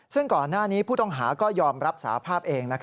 ซึ่งก่อนหน้านี้ผู้ต้องหาก็ยอมรับสาภาพเอง